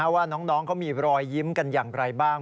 ว่าน้องเขามีรอยยิ้มกันอย่างไรบ้าง